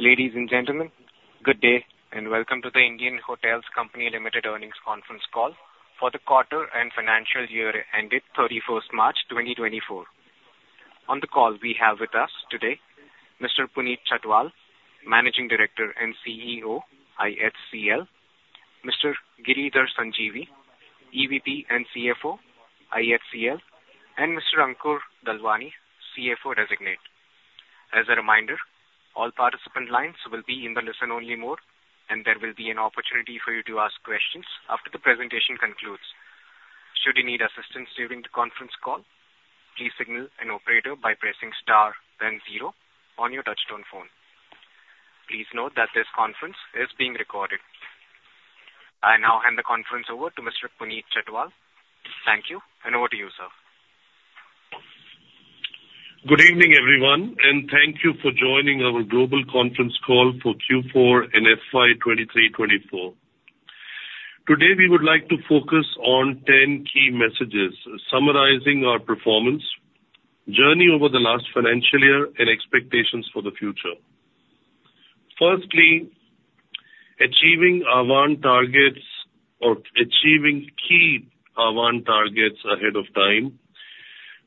Ladies and gentlemen, good day, and welcome to The Indian Hotels Company Limited earnings conference call for the quarter and financial year ended thirty-first March twenty twenty-four. On the call we have with us today Mr. Puneet Chhatwal, Managing Director and CEO, IHCL, Mr. Giridhar Sanjeevi, EVP and CFO, IHCL, and Mr. Ankur Dalwani, CFO Designate. As a reminder, all participant lines will be in the listen-only mode, and there will be an opportunity for you to ask questions after the presentation concludes. Should you need assistance during the conference call, please signal an operator by pressing star then zero on your touchtone phone. Please note that this conference is being recorded. I now hand the conference over to Mr. Puneet Chhatwal. Thank you, and over to you, sir. Good evening, everyone, and thank you for joining our global conference call for Q4 and FY 2023-2024. Today, we would like to focus on 10 key messages summarizing our performance, journey over the last financial year, and expectations for the future. First, achieving key our Ahvaan targets ahead of time.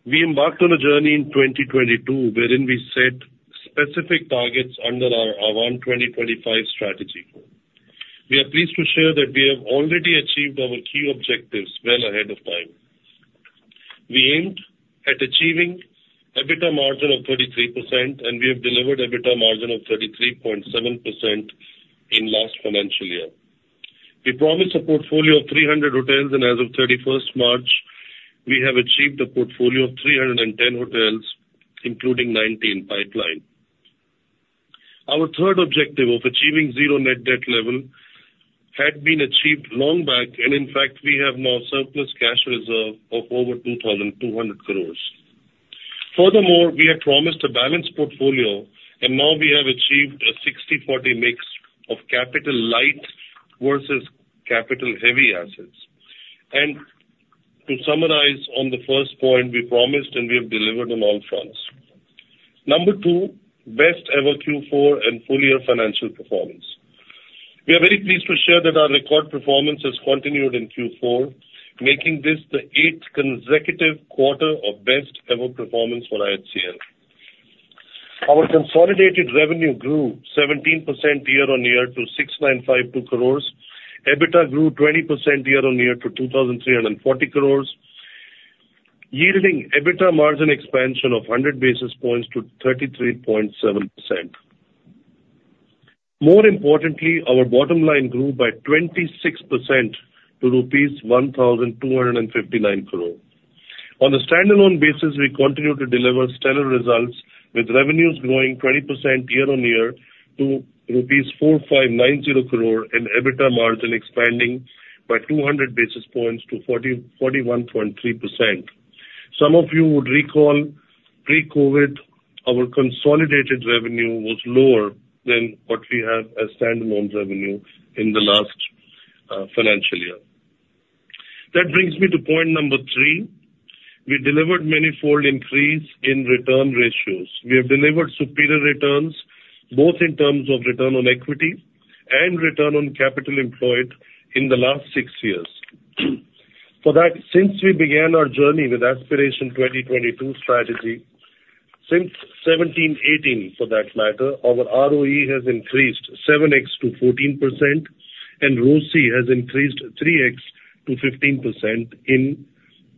We embarked on a journey in 2022, wherein we set specific targets under our Ahvaan 2025 strategy. We are pleased to share that we have already achieved our key objectives well ahead of time. We aimed at achieving EBITDA margin of 33%, and we have delivered EBITDA margin of 33.7% in last financial year. We promised a portfolio of 300 hotels, and as of 31st March, we have achieved a portfolio of 310 hotels, including 19 pipeline. Our third objective of achieving zero net debt level had been achieved long back, and in fact, we have now surplus cash reserve of over 2,200 crores. Furthermore, we had promised a balanced portfolio, and now we have achieved a 60/40 mix of capital light versus capital heavy assets. To summarize on the first point, we promised and we have delivered on all fronts. Number two, best ever Q4 and full-year financial performance. We are very pleased to share that our record performance has continued in Q4, making this the eighth consecutive quarter of best-ever performance for IHCL. Our consolidated revenue grew 17% year-on-year to 6,952 crores. EBITDA grew 20% year-on-year to 2,340 crores, yielding EBITDA margin expansion of 100 basis points to 33.7%. More importantly, our bottom line grew by 26% to rupees 1,259 crore. On a standalone basis, we continue to deliver stellar results, with revenues growing 20% year-on-year to rupees 4,590 crore, and EBITDA margin expanding by 200 basis points to 41.3%. Some of you would recall, pre-COVID, our consolidated revenue was lower than what we have as standalone revenue in the last financial year. That brings me to point number 3. We delivered manyfold increase in return ratios. We have delivered superior returns, both in terms of return on equity and return on capital employed in the last six years. For that, since we began our journey with Aspiration 2022 strategy, since 2017-18, for that matter, our ROE has increased 7x to 14%, and ROCE has increased 3x to 15% in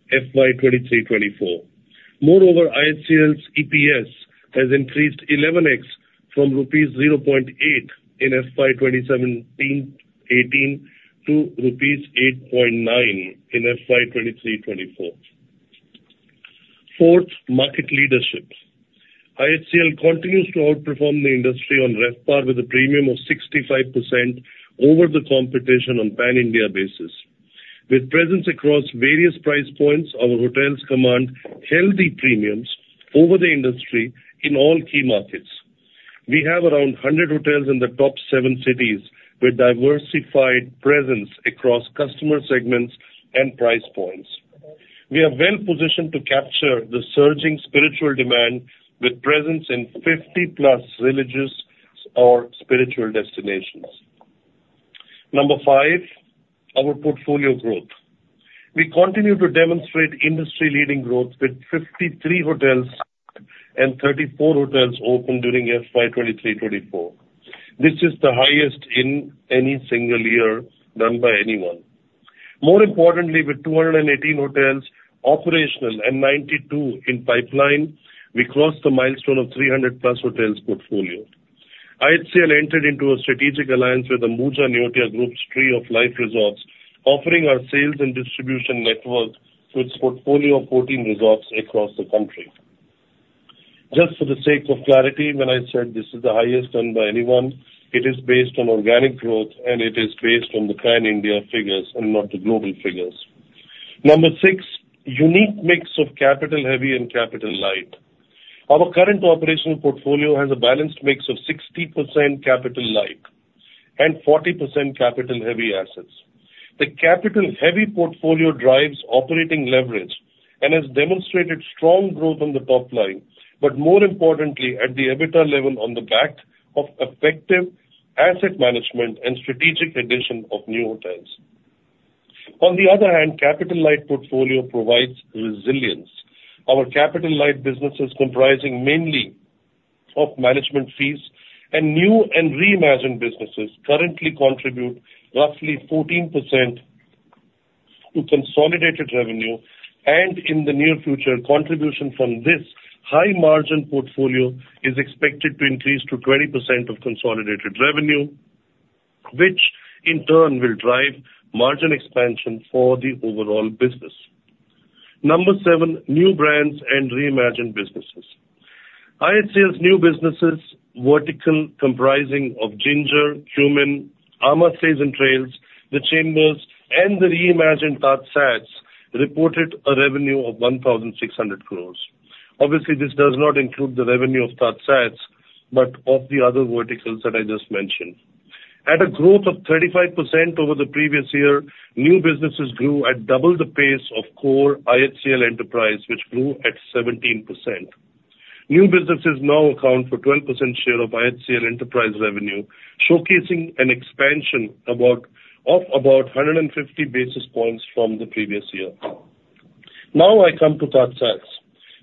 FY 2023-24. Moreover, IHCL's EPS has increased 11x from rupees 0.8 in FY 2017-18 to rupees 8.9 in FY 2023-24. Fourth, market leadership. IHCL continues to outperform the industry on RevPAR with a premium of 65% over the competition on pan-India basis. With presence across various price points, our hotels command healthy premiums over the industry in all key markets. We have around 100 hotels in the top 7 cities, with diversified presence across customer segments and price points. We are well positioned to capture the surging spiritual demand with presence in 50+ religious or spiritual destinations. Number five, our portfolio growth. We continue to demonstrate industry-leading growth with 53 hotels and 34 hotels opened during FY 2023-2024. This is the highest in any single year done by anyone. More importantly, with 218 hotels operational and 92 in pipeline, we crossed the milestone of 300+ hotels portfolio. IHCL entered into a strategic alliance with the Ambuja Neotia Group's Tree of Life Resorts, offering our sales and distribution network to its portfolio of 14 resorts across the country. Just for the sake of clarity, when I said this is the highest done by anyone, it is based on organic growth, and it is based on the pan-India figures and not the global figures. Number 6, unique mix of Capital Heavy and Capital Light. Our current operational portfolio has a balanced mix of 60% Capital Light and 40% Capital Heavy assets. The capital-heavy portfolio drives operating leverage and has demonstrated strong growth on the top line, but more importantly, at the EBITDA level on the back of effective asset management and strategic addition of new hotels. On the other hand, capital-light portfolio provides resilience. Our capital-light business is comprising mainly of management fees, and new and reimagined businesses currently contribute roughly 14% to consolidated revenue, and in the near future, contribution from this high-margin portfolio is expected to increase to 20% of consolidated revenue, which in turn will drive margin expansion for the overall business. Number seven: new brands and reimagined businesses. IHCL's new businesses vertical, comprising of Ginger, Qmin, amã Stays & Trails, The Chambers, and the reimagined TajSATS, reported a revenue of 1,600 crore. Obviously, this does not include the revenue of TajSATS, but of the other verticals that I just mentioned. At a growth of 35% over the previous year, new businesses grew at double the pace of core IHCL enterprise, which grew at 17%. New businesses now account for 12% share of IHCL enterprise revenue, showcasing an expansion of about 150 basis points from the previous year. Now I come to TajSATS.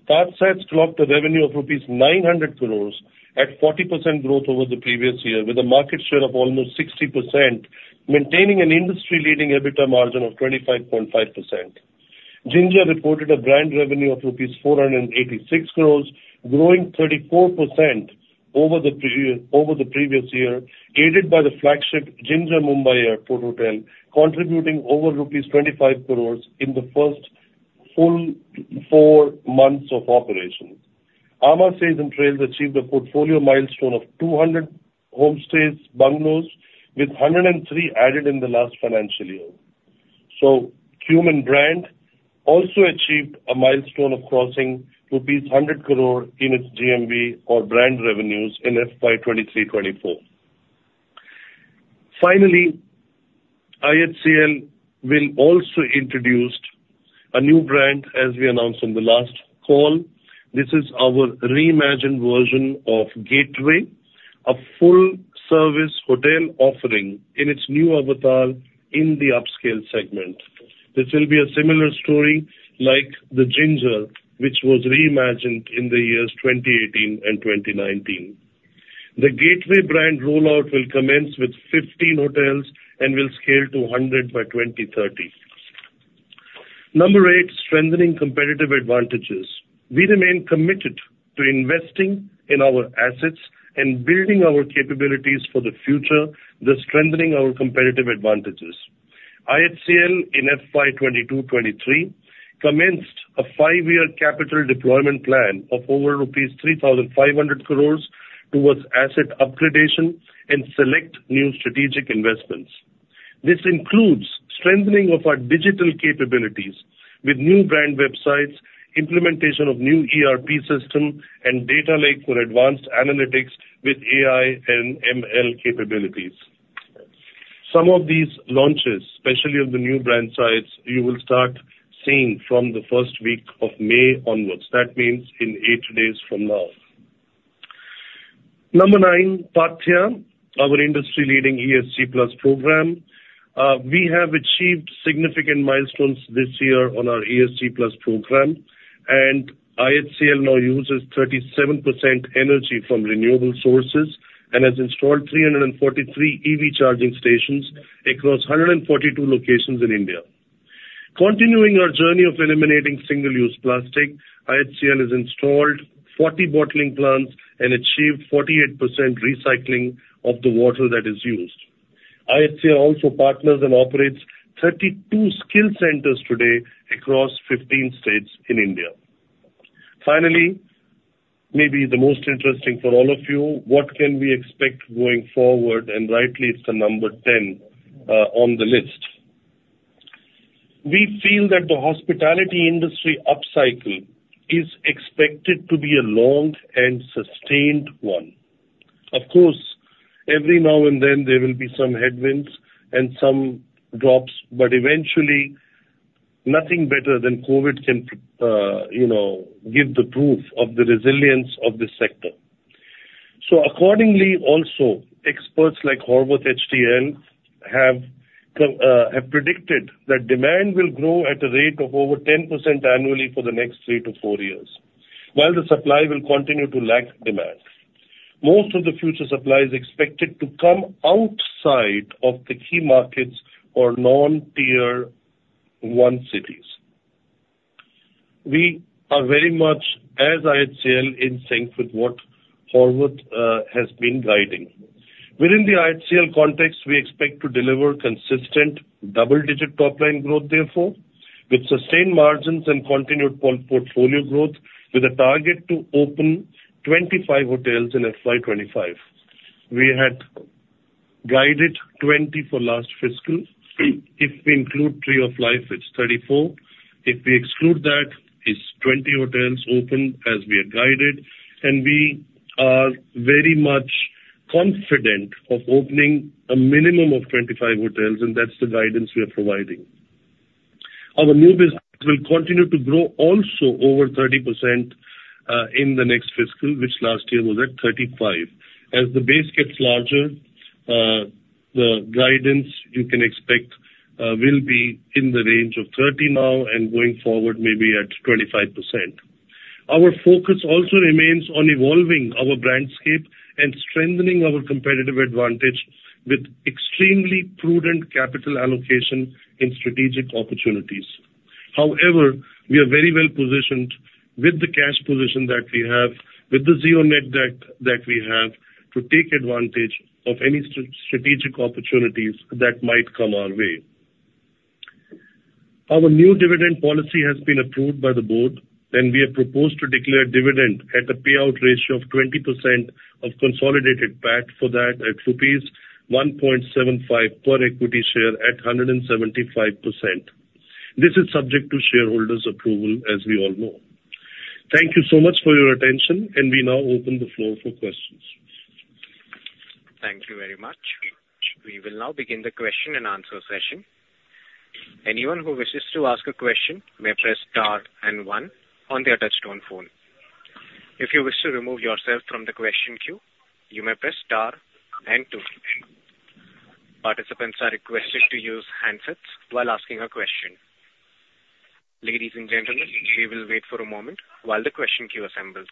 TajSATS clocked a revenue of rupees 900 crore at 40% growth over the previous year, with a market share of almost 60%, maintaining an industry-leading EBITDA margin of 25.5%. Ginger reported a brand revenue of rupees 486 crore, growing 34% over the previous year, aided by the flagship Ginger Mumbai Airport Hotel, contributing over rupees 25 crore in the first full four months of operation. amã Stays & Trails achieved a portfolio milestone of 200 homestays, bungalows, with 103 added in the last financial year. So Qmin brand also achieved a milestone of crossing rupees 100 crore in its GMV or brand revenues in FY 2023-24. Finally, IHCL will also introduce a new brand, as we announced on the last call. This is our reimagined version of Gateway, a full-service hotel offering in its new avatar in the upscale segment. This will be a similar story like the Ginger, which was reimagined in the years 2018 and 2019. The Gateway brand rollout will commence with 15 hotels and will scale to 100 by 2030. Number eight: strengthening competitive advantages. We remain committed to investing in our assets and building our capabilities for the future, thus strengthening our competitive advantages. IHCL in FY 2022-23 commenced a 5-year capital deployment plan of over rupees 3,500 crore towards asset upgradation and select new strategic investments. This includes strengthening of our digital capabilities with new brand websites, implementation of new ERP system, and data lake for advanced analytics with AI and ML capabilities. Some of these launches, especially on the new brand sites, you will start seeing from the first week of May onwards. That means in 8 days from now. Number 9, Paathya, our industry-leading ESG plus program. We have achieved significant milestones this year on our ESG plus program, and IHCL now uses 37% energy from renewable sources and has installed 343 EV charging stations across 142 locations in India. Continuing our journey of eliminating single-use plastic, IHCL has installed 40 bottling plants and achieved 48% recycling of the water that is used. IHCL also partners and operates 32 skill centers today across 15 states in India. Finally, maybe the most interesting for all of you: what can we expect going forward? And rightly, it's the number 10, on the list. We feel that the hospitality industry upcycle is expected to be a long and sustained one. Of course, every now and then there will be some headwinds and some drops, but eventually, nothing better than COVID can, you know, give the proof of the resilience of this sector. So accordingly, also, experts like Horwath HTL have predicted that demand will grow at a rate of over 10% annually for the next 3-4 years, while the supply will continue to lack demand. Most of the future supply is expected to come outside of the key markets or non-tier one cities. We are very much, as IHCL, in sync with what Horwath has been guiding. Within the IHCL context, we expect to deliver consistent double-digit top-line growth, therefore, with sustained margins and continued portfolio growth, with a target to open 25 hotels in FY 2025. We had guided 20 for last fiscal. If we include Tree of Life, it's 34. If we exclude that, it's 20 hotels opened as we had guided, and we are very much confident of opening a minimum of 25 hotels, and that's the guidance we are providing... Our new business will continue to grow also over 30%, in the next fiscal, which last year was at 35. As the base gets larger, the guidance you can expect, will be in the range of 30 now and going forward maybe at 25%. Our focus also remains on evolving our brandscape and strengthening our competitive advantage with extremely prudent capital allocation in strategic opportunities. However, we are very well positioned with the cash position that we have, with the zero net debt that we have, to take advantage of any strategic opportunities that might come our way. Our new dividend policy has been approved by the board, and we have proposed to declare dividend at a payout ratio of 20% of consolidated PAT for that at rupees 1.75 per equity share at 175%. This is subject to shareholders' approval, as we all know. Thank you so much for your attention, and we now open the floor for questions. Thank you very much. We will now begin the question and answer session. Anyone who wishes to ask a question may press star and one on their touchtone phone. If you wish to remove yourself from the question queue, you may press star and two. Participants are requested to use handsets while asking a question. Ladies and gentlemen, we will wait for a moment while the question queue assembles.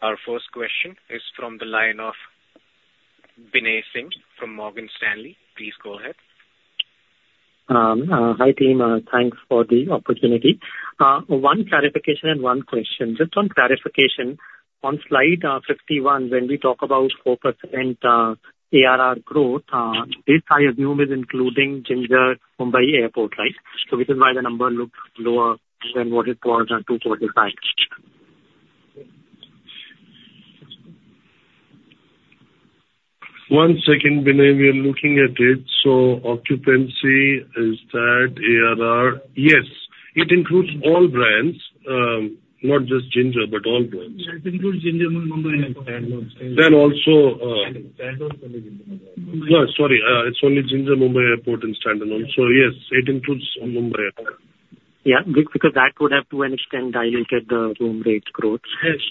Our first question is from the line of Binay Singh from Morgan Stanley. Please go ahead. Hi, team. Thanks for the opportunity. One clarification and one question. Just on clarification, on slide 51, when we talk about 4% ARR growth, this I assume is including Ginger Mumbai Airport, right? So which is why the number looks lower than what it was at 245. One second, Binay. We are looking at it. So occupancy, is that ARR? Yes, it includes all brands, not just Ginger, but all brands. Yes, it includes Ginger Mumbai Airport. Then also, Stand-alone. No, sorry, it's only Ginger Mumbai Airport and Standalone. So yes, it includes Mumbai Airport. Yeah, because that would have, to an extent, diluted the room rate growth. Yes.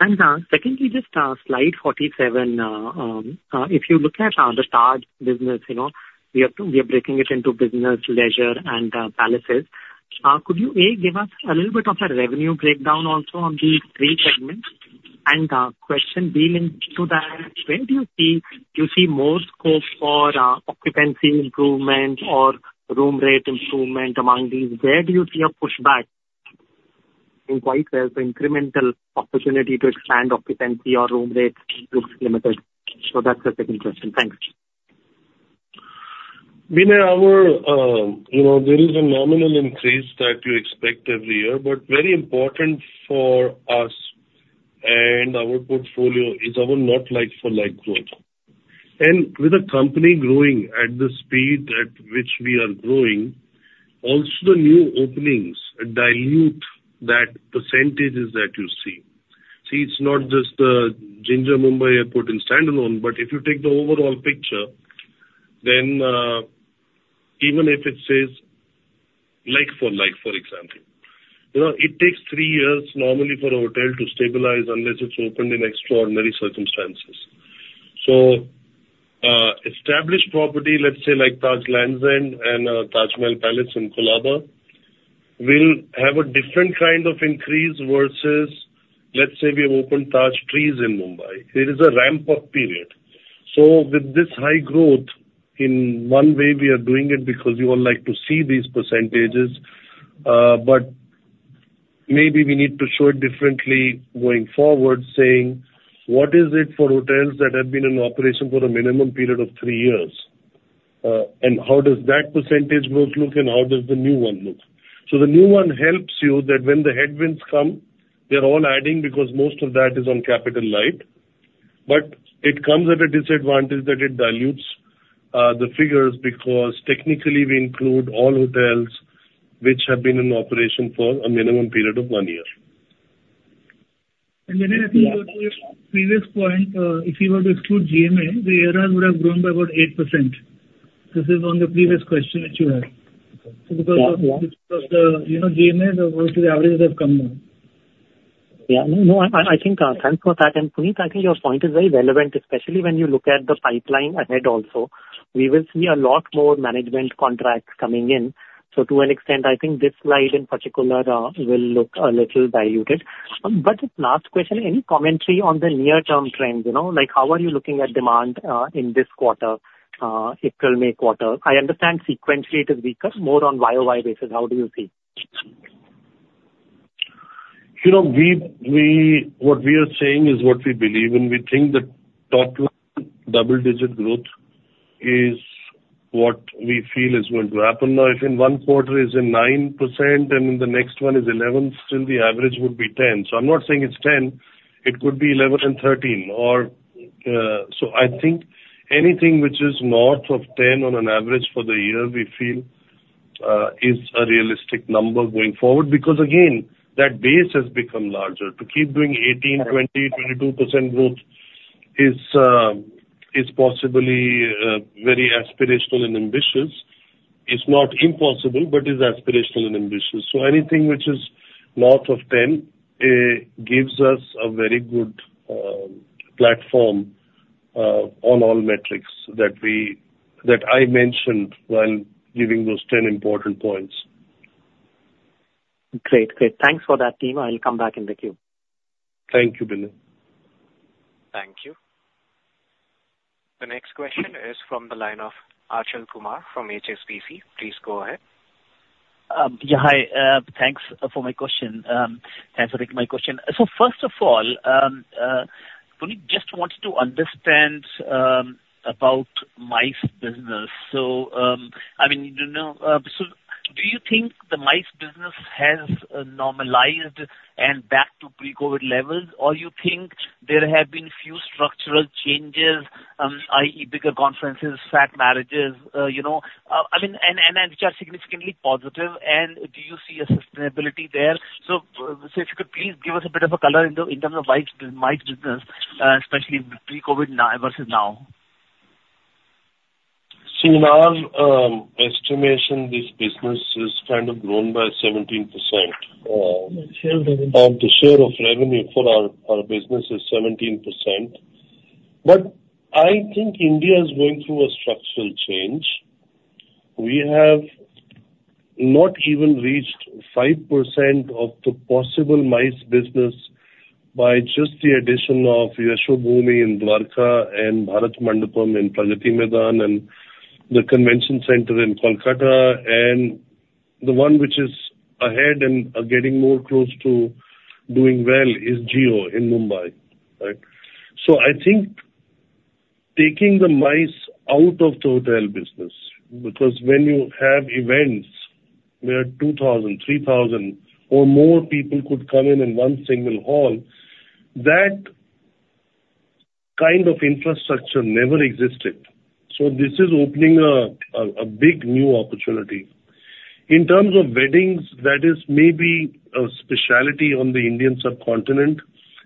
And, secondly, just, slide 47. If you look at the Taj business, you know, we are breaking it into business, leisure, and palaces. Could you give us a little bit of a revenue breakdown also on these three segments? And question relating to that, where do you see more scope for occupancy improvement or room rate improvement among these? Where do you see a pushback in quite well for incremental opportunity to expand occupancy or room rate looks limited? So that's the second question. Thanks. Binay, our you know, there is a nominal increase that you expect every year. But very important for us and our portfolio is our not like for like growth. And with the company growing at the speed at which we are growing, also the new openings dilute that percentages that you see. See, it's not just the Ginger Mumbai Airport and Standalone, but if you take the overall picture, then even if it says like for like, for example, you know, it takes three years normally for a hotel to stabilize unless it's opened in extraordinary circumstances. So established property, let's say, like Taj Lands End and Taj Mahal Palace in Colaba, will have a different kind of increase versus, let's say, we have opened Taj The Trees in Mumbai. There is a ramp-up period. So with this high growth, in one way we are doing it because we would like to see these percentages, but maybe we need to show it differently going forward, saying: What is it for hotels that have been in operation for a minimum period of three years? And how does that percentage growth look, and how does the new one look? So the new one helps you that when the headwinds come, they're all adding, because most of that is on Capital Light. But it comes at a disadvantage that it dilutes the figures, because technically we include all hotels which have been in operation for a minimum period of one year. And then I think to your previous point, if you were to exclude GMA, the ARR would have grown by about 8%. This is on the previous question that you had. Yeah, yeah. Because, you know, GMA, the worldwide average would have come down. Yeah. No, no, I, I think, thanks for that. And, Puneet, I think your point is very relevant, especially when you look at the pipeline ahead also. We will see a lot more management contracts coming in. So to an extent, I think this slide in particular will look a little diluted. But just last question, any commentary on the near-term trends, you know? Like, how are you looking at demand in this quarter, April, May quarter? I understand sequentially it is weaker. More on YOY basis, how do you see? You know, we. What we are saying is what we believe, and we think that top line double-digit growth is what we feel is going to happen. Now, if in one quarter is in 9% and in the next one is 11, still the average would be 10. So I'm not saying it's 10, it could be 11 and 13, so I think anything which is north of 10 on an average for the year, we feel, is a realistic number going forward. Because, again, that base has become larger. To keep doing 18, 20, 22% growth is possibly very aspirational and ambitious. It's not impossible, but is aspirational and ambitious. So anything which is north of 10 gives us a very good platform on all metrics that I mentioned when giving those 10 important points. Great. Great. Thanks for that, Puneet. I'll come back in the queue. Thank you, Binay. Thank you. The next question is from the line of Achal Kumar from HSBC. Please go ahead. Yeah, hi. Thanks for my question. Thanks for taking my question. So first of all, Puneet, just wanted to understand about MICE business. So, I mean, you know, so do you think the MICE business has normalized and back to pre-COVID levels? Or you think there have been few structural changes, i.e., bigger conferences, fat marriages, you know, I mean, and which are significantly positive, and do you see a sustainability there? So, so if you could please give us a bit of a color in the, in terms of MICE, MICE business, especially pre-COVID now versus now. See, in our estimation, this business is kind of grown by 17%. Share of the- Of the share of revenue for our business is 17%. But I think India is going through a structural change. We have not even reached 5% of the possible MICE business by just the addition of Yashobhoomi in Dwarka and Bharat Mandapam in Pragati Maidan, and the convention center in Kolkata, and the one which is ahead and are getting more close to doing well is Jio in Mumbai, right? So I think taking the MICE out of the hotel business, because when you have events where 2,000, 3,000 or more people could come in, in one single hall, that kind of infrastructure never existed. So this is opening a big new opportunity. In terms of weddings, that is maybe a specialty on the Indian subcontinent,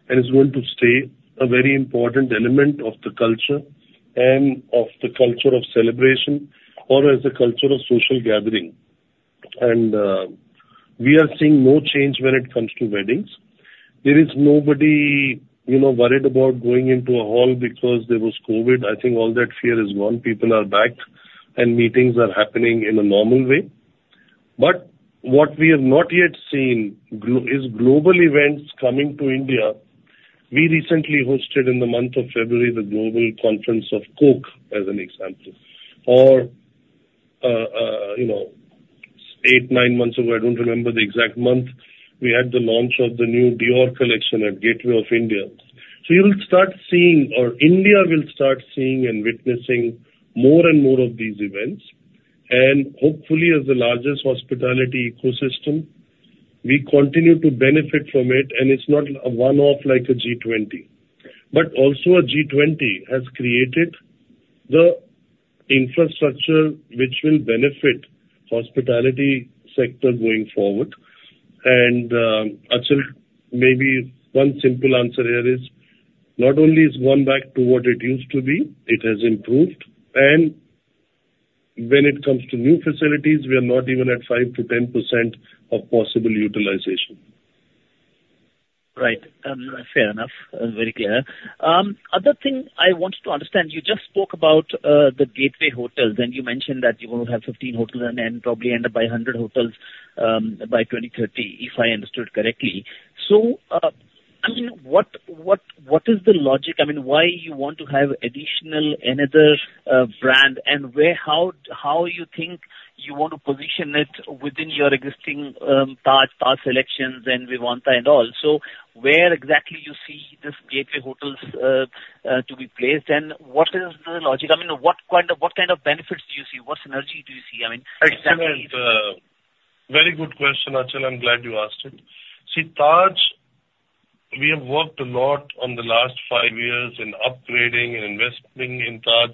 and is going to stay a very important element of the culture and of the culture of celebration or as a culture of social gathering. And, we are seeing no change when it comes to weddings. There is nobody, you know, worried about going into a hall because there was COVID. I think all that fear is gone, people are back and meetings are happening in a normal way. But what we have not yet seen is global events coming to India. We recently hosted, in the month of February, the global conference of Coke, as an example. Or, you know, 8, 9 months ago, I don't remember the exact month, we had the launch of the new Dior collection at Gateway of India. So you'll start seeing, or India will start seeing and witnessing more and more of these events, and hopefully, as the largest hospitality ecosystem, we continue to benefit from it and it's not a one-off like a G20. But also a G20 has created the infrastructure which will benefit hospitality sector going forward. Achal, maybe one simple answer here is, not only it's gone back to what it used to be, it has improved. And when it comes to new facilities, we are not even at 5%-10% of possible utilization. Right. Fair enough. Very clear. Other thing I wanted to understand, you just spoke about the Gateway Hotels, and you mentioned that you want to have 15 hotels and then probably end up by 100 hotels, by 2030, if I understood correctly. So, I mean, what is the logic? I mean, why you want to have additional another brand, and where, how you think you want to position it within your existing, Taj, Taj SeleQtions and Vivanta and all? So where exactly you see this Gateway Hotels to be placed, and what is the logic? I mean, what kind of benefits do you see? What synergy do you see? I mean- Excellent, very good question, Achal. I'm glad you asked it. See, Taj, we have worked a lot on the last 5 years in upgrading and investing in Taj,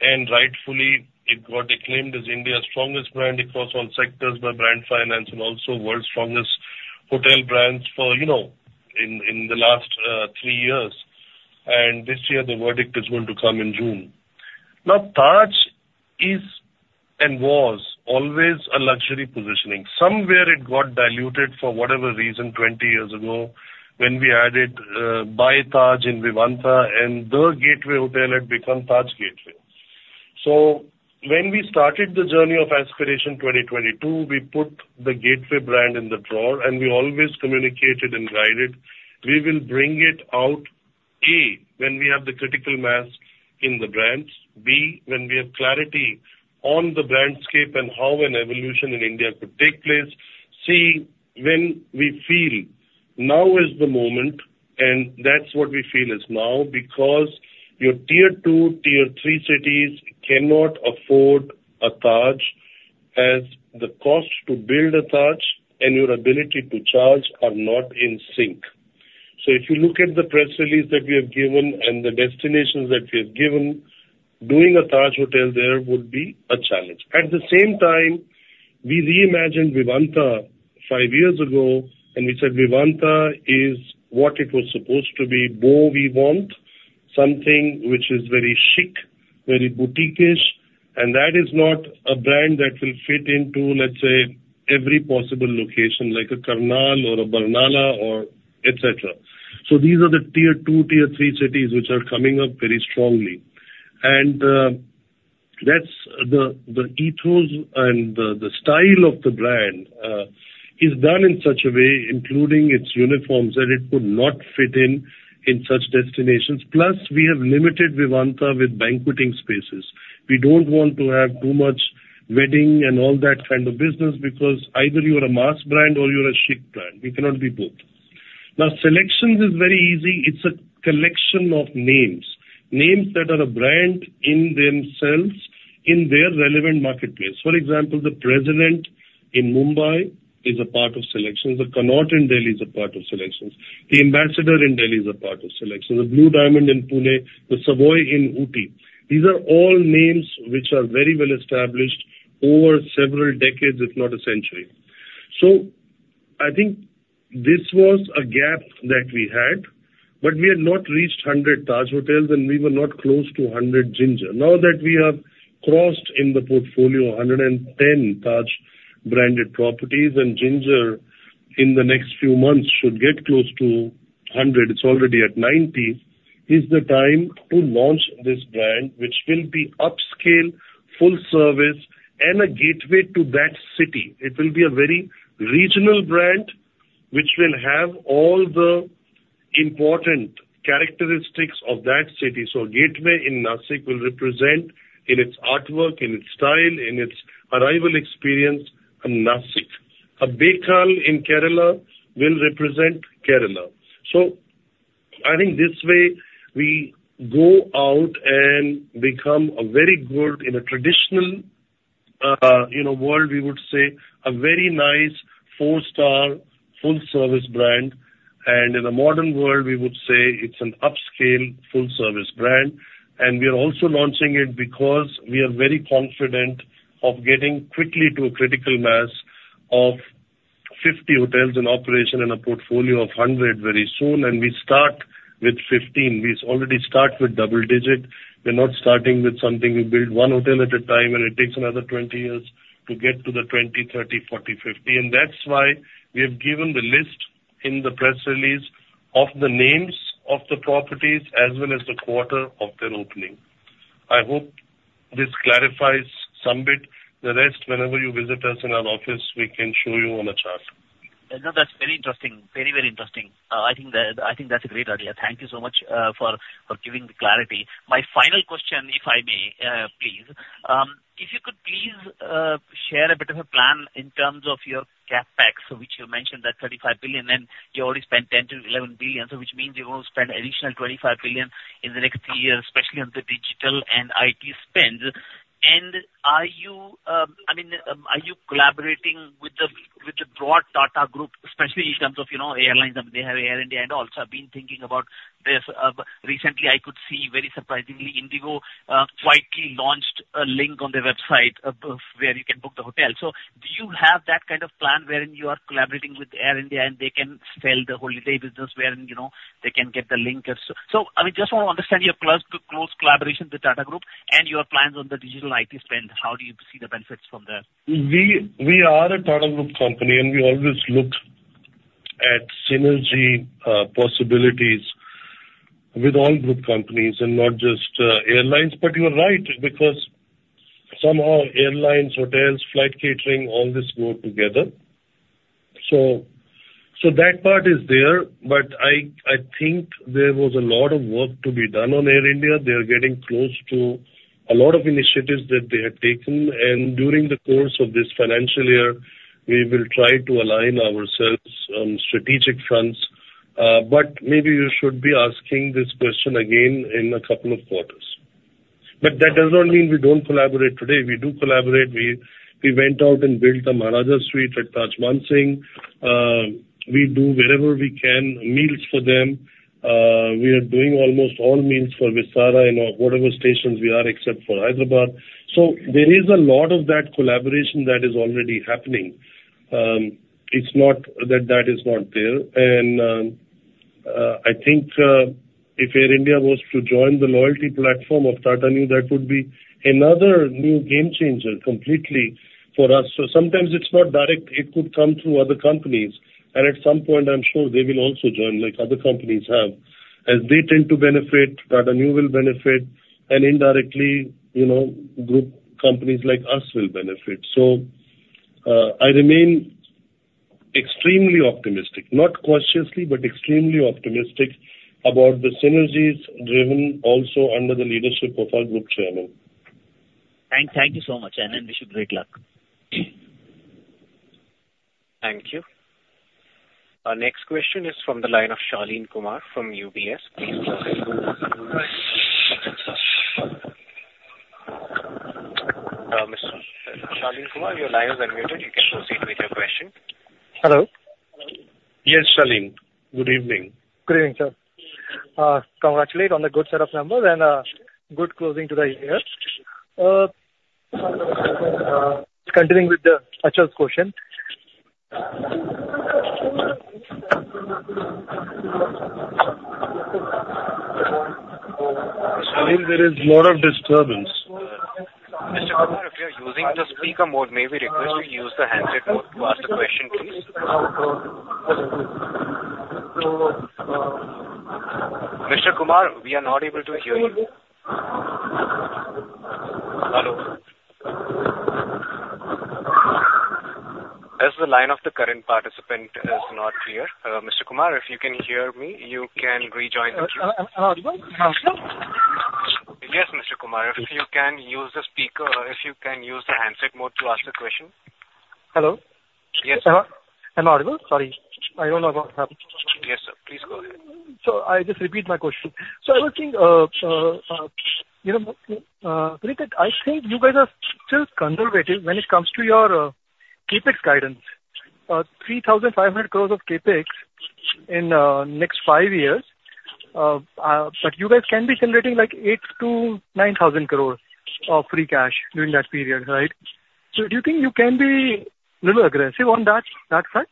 and rightfully, it got acclaimed as India's strongest brand across all sectors, by Brand Finance, and also world's strongest hotel brands for, you know, in the last 3 years. And this year, the verdict is going to come in June. Now, Taj is and was always a luxury positioning. Somewhere it got diluted for whatever reason, 20 years ago, when we added by Taj in Vivanta and The Gateway Hotel had become Taj Gateway. So when we started the journey of Aspiration 2022, we put the Gateway brand in the drawer, and we always communicated and guided. We will bring it out when we have the critical mass in the brands. B, when we have clarity on the brandscape and how an evolution in India could take place. C, when we feel now is the moment, and that's what we feel is now, because your tier two, tier three cities cannot afford a Taj.... as the cost to build a Taj and your ability to charge are not in sync. So if you look at the press release that we have given and the destinations that we have given, doing a Taj Hotel there would be a challenge. At the same time, we reimagined Vivanta five years ago, and we said Vivanta is what it was supposed to be. So we want something which is very chic, very boutiquish, and that is not a brand that will fit into, let's say, every possible location, like a Karnal or a Barnala or et cetera. So these are the tier two, tier three cities which are coming up very strongly. And, that's the, the ethos and the, the style of the brand, is done in such a way, including its uniforms, that it would not fit in in such destinations. Plus, we have limited Vivanta with banqueting spaces. We don't want to have too much wedding and all that kind of business because either you are a mass brand or you are a chic brand. You cannot be both. Now, SeleQtions is very easy. It's a collection of names, names that are a brand in themselves in their relevant marketplace. For example, The President in Mumbai is a part of SeleQtions. The Connaught in Delhi is a part of SeleQtions. The Ambassador in Delhi is a part of SeleQtions. The Blue Diamond in Pune, The Savoy in Ooty. These are all names which are very well established over several decades, if not a century. So I think this was a gap that we had, but we had not reached 100 Taj hotels, and we were not close to 100 Ginger. Now that we have crossed in the portfolio 110 Taj branded properties, and Ginger, in the next few months, should get close to 100, it's already at 90, is the time to launch this brand, which will be upscale, full service and a Gateway to that city. It will be a very regional brand which will have all the important characteristics of that city. So Gateway in Nasik will represent in its artwork, in its style, in its arrival experience, a Nasik. A Bekal in Kerala will represent Kerala. So I think this way we go out and become a very good in a traditional, you know, world, we would say a very nice four-star full service brand, and in the modern world, we would say it's an upscale full service brand. And we are also launching it because we are very confident of getting quickly to a critical mass of 50 hotels in operation and a portfolio of 100 very soon. And we start with 15. We already start with double digit. We're not starting with something - we build one hotel at a time, and it takes another 20 years to get to the 20, 30, 40, 50. And that's why we have given the list in the press release of the names of the properties as well as the quarter of their opening. I hope this clarifies some bit. The rest, whenever you visit us in our office, we can show you on a chart. No, that's very interesting. Very, very interesting. I think that, I think that's a great idea. Thank you so much, for, for giving the clarity. My final question, if I may, please. If you could please, share a bit of a plan in terms of your CapEx, which you mentioned that 35 billion, and you already spent 10-11 billion, so which means you want to spend additional 25 billion in the next 3 years, especially on the digital and IT spends. And are you, I mean, are you collaborating with the, with the broad Tata Group, especially in terms of, you know, airlines? I mean, they have Air India and also I've been thinking about this. But recently I could see, very surprisingly, IndiGo quietly launched a link on their website, of where you can book the hotel. So, do you have that kind of plan wherein you are collaborating with Air India, and they can sell the holiday business wherein, you know, they can get the link or so? So, I just want to understand your close, close collaboration with Tata Group and your plans on the digital IT spend. How do you see the benefits from there? We are a Tata Group company, and we always looked at synergy possibilities with all group companies and not just airlines. But you are right, because somehow airlines, hotels, flight catering, all this go together. So that part is there, but I think there was a lot of work to be done on Air India. They are getting close to a lot of initiatives that they have taken, and during the course of this financial year, we will try to align ourselves on strategic fronts. But maybe you should be asking this question again in a couple of quarters. But that does not mean we don't collaborate today. We do collaborate. We went out and built the Maharaja Suite at Taj Mansingh. We do wherever we can, meals for them. We are doing almost all meals for Vistara in whatever stations we are, except for Hyderabad. So there is a lot of that collaboration that is already happening. It's not that that is not there. And, I think, if Air India was to join the loyalty platform of Tata Neu, that would be another new game changer completely for us. So sometimes it's not direct. It could come through other companies, and at some point, I'm sure they will also join, like other companies have. As they tend to benefit, Tata Neu will benefit, and indirectly, you know, group companies like us will benefit. So, I remain extremely optimistic, not cautiously, but extremely optimistic about the synergies driven also under the leadership of our group chairman. Thank you so much, and I wish you great luck.... Thank you. Our next question is from the line of Shaleen Kumar from UBS. Please go ahead. Mr. Shaleen Kumar, your line is unmuted. You can proceed with your question. Hello? Yes, Shaleen. Good evening. Good evening, sir. Congratulate on the good set of numbers and good closing to the year. Continuing with Achal's question. Shaleen, there is a lot of disturbance. Mr. Kumar, if you are using the speaker mode, may we request you use the handset mode to ask the question, please? Mr. Kumar, we are not able to hear you. Hello. As the line of the current participant is not clear, Mr. Kumar, if you can hear me, you can rejoin the queue. Audible? Hello. Yes, Mr. Kumar, if you can use the speaker, or if you can use the handset mode to ask the question. Hello? Yes. Am I, am I audible? Sorry, I don't know what happened. Yes, sir. Please go ahead. So I just repeat my question. So I was thinking, you know, I think you guys are still conservative when it comes to your CapEx guidance. 3,500 crores of CapEx in next five years. But you guys can be generating, like, 8,000-9,000 crores of free cash during that period, right? So do you think you can be a little aggressive on that, that front?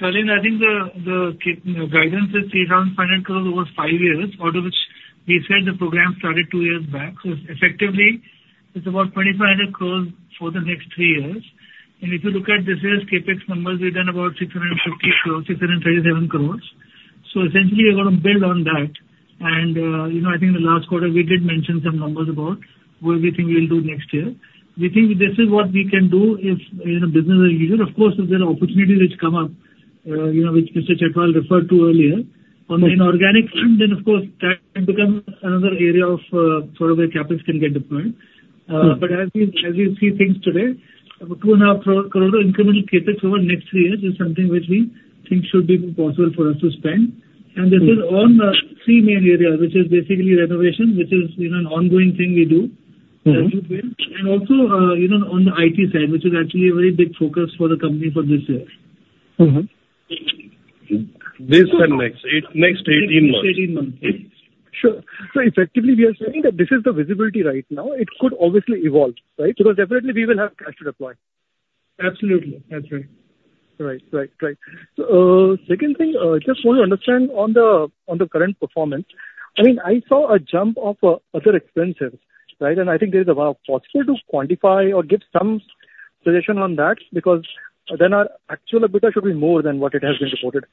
Shaleen, I think the guidance is 3,500 crores over 5 years, out of which we said the program started two years back. So effectively, it's about 2,500 crores for the next 3 years. And if you look at this year's CapEx numbers, we've done about 650 crores, 637 crores. So essentially, we're gonna build on that. And, you know, I think in the last quarter, we did mention some numbers about what we think we'll do next year. We think this is what we can do if, you know, business as usual. Of course, if there are opportunities which come up, you know, which Mr. Chhatwal referred to earlier, on an organic front, then of course, that can become another area of, where the capitals can get deployed. But as we see things today, about 2.5 crore of incremental CapEx over the next three years is something which we think should be possible for us to spend. And this is on three main areas, which is basically renovation, which is, you know, an ongoing thing we do. Mm-hmm. Also, you know, on the IT side, which is actually a very big focus for the company for this year. Mm-hmm. This and next 8, next 18 months. 18 months, yes. Sure. So effectively, we are saying that this is the visibility right now. It could obviously evolve, right? Because definitely we will have cash to deploy. Absolutely. That's right. Right. Right. Right. So, second thing, just want to understand on the, on the current performance, I mean, I saw a jump of, other expenses, right? And I think there is a way possible to quantify or give some position on that, because then our actual EBITDA should be more than what it has been reported.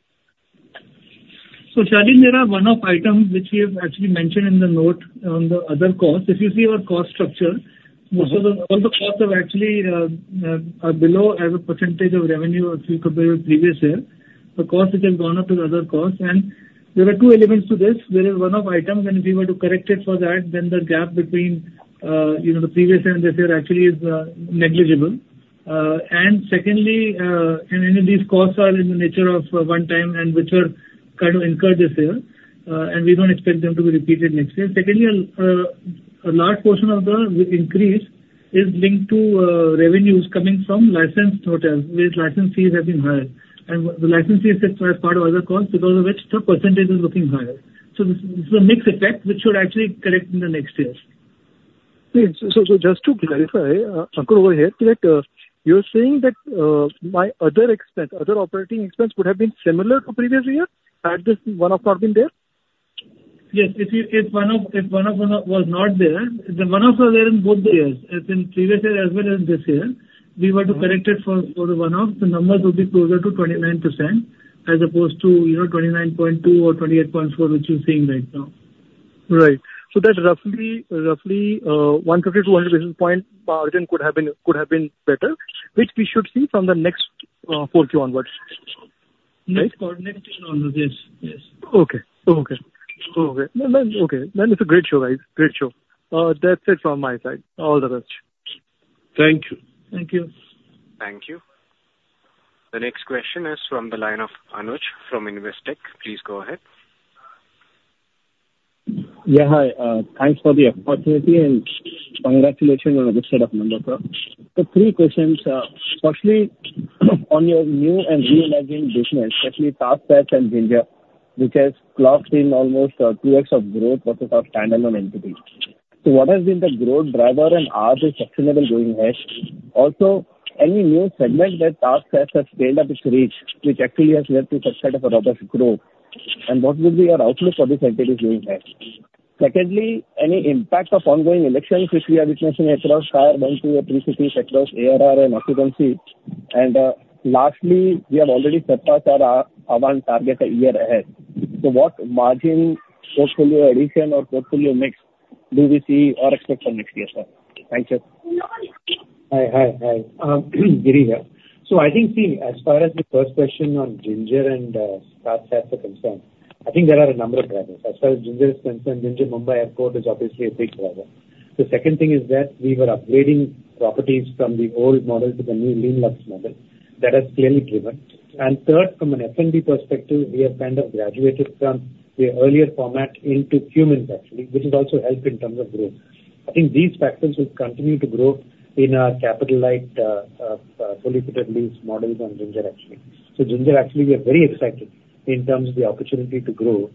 So, Shaleen, there are one-off items which we have actually mentioned in the note on the other costs. If you see our cost structure- Mm-hmm. Most of the, all the costs are actually below as a percentage of revenue if you compare with previous year. The cost, which has gone up to the other costs, and there are two elements to this. There is one-off items, and if you were to correct it for that, then the gap between, you know, the previous year and this year actually is negligible. And secondly, and any of these costs are in the nature of one time and which were kind of incurred this year, and we don't expect them to be repeated next year. Secondly, a large portion of the increase is linked to revenues coming from licensed hotels, where license fees have been higher. And the license fees are part of other costs, because of which the percentage is looking higher. This is a mixed effect, which should actually correct in the next years. Yes. So, just to clarify, Shaleen over here, that you're saying that my other expense, other operating expense, would have been similar to previous year had this one-off not been there? Yes. If you, if one-off was not there, the one-off was there in both the years, as in previous year as well as this year. We were to correct it for the one-off, the numbers would be closer to 29%, as opposed to, you know, 29.2 or 28.4, which you're seeing right now. Right. So that's roughly, roughly, 150-100 basis points margin could have been, could have been better, which we should see from the next, 4 Q onwards. Next quarter onwards, yes. Yes. Okay. Then it's a great show, guys. Great show. That's it from my side. All the best. Thank you. Thank you. Thank you. The next question is from the line of Anuj from Investec. Please go ahead. Yeah, hi. Thanks for the opportunity and congratulations on a good set of numbers, sir. So three questions. Firstly, on your new and reemerging business, especially TajSATS and Ginger, which has clocked in almost two years of growth but as a standalone entity. So what has been the growth driver and are they sustainable going ahead? Also, any new segment that TajSATS has scaled up its reach, which actually has led to such type of a robust growth? And what will be your outlook for this entity going ahead? Secondly, any impact of ongoing elections which we are witnessing across tier one, two, and three cities across ARR and occupancy? And lastly, we have already set our Ahvaan target a year ahead. So what margin portfolio addition or portfolio mix do we see or expect for next year, sir? Thank you. Hi, hi, hi. Giri here. So I think, see, as far as the first question on Ginger and TajSATS are concerned, I think there are a number of drivers. As far as Ginger is concerned, Ginger Mumbai Airport is obviously a big driver. The second thing is that we were upgrading properties from the old model to the new lean luxe model. That has clearly driven. And third, from an F&B perspective, we have kind of graduated from the earlier format into Qmin's, actually, which has also helped in terms of growth. I think these factors will continue to grow in our capital-light, fully fitted lease models on Ginger, actually. So Ginger, actually, we are very excited in terms of the opportunity to grow.